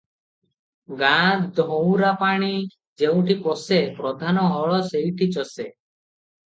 "ଗାଁ-ଧୋଉରାପାଣି ଯେଉଁଠି ପଶେ, ପଧାନ ହଳ ସେଇଠି ଚଷେ ।"